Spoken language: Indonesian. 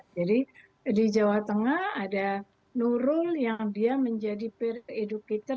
jadi di jawa tengah ada nurul yang dia menjadi peer educator